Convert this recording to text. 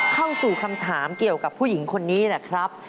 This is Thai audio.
เข้าสู่คำถามเกี่ยวกับผู้หญิงคนนี้แหละครับ